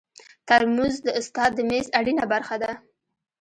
ترموز د استاد د میز اړینه برخه ده.